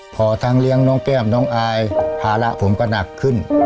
พอทั้งเลี้ยงน้องแก้มน้องอายภาระผมก็หนักขึ้น